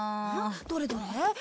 どれどれ？